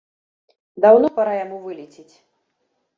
Даўно пара яму вылецець!